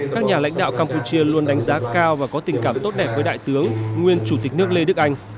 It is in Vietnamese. các nhà lãnh đạo campuchia luôn đánh giá cao và có tình cảm tốt đẹp với đại tướng nguyên chủ tịch nước lê đức anh